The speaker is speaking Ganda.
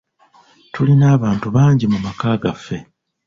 Tulina abantu bangi mu maka gaffe